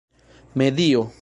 medio